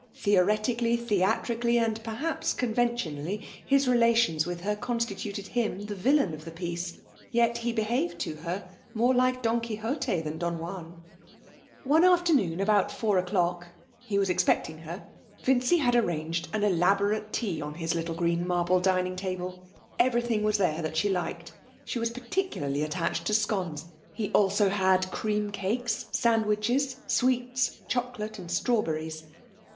Theoretically, theatrically, and perhaps conventionally, his relations with her constituted him the villain of the piece. Yet he behaved to her more like Don Quixote than Don Juan.... One afternoon about four o'clock he was expecting her Vincy had arranged an elaborate tea on his little green marble dining table. Everything was there that she liked. She was particularly attached to scones; he also had cream cakes, sandwiches, sweets, chocolate and strawberries.